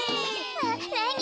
ななに？